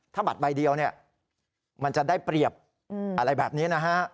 ถ้าบัตรใบเดียวเนี่ยมันจะได้เปรียบอะไรแบบนี้นะฮะ